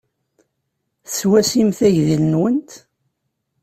Teswatimt agdil-nwent?